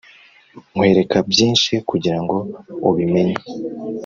nkwereka byinshi kugira ngo ubimenye.